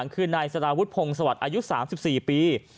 คือนายสารวุฒิพงศวรรค์อายุ๓๔ปี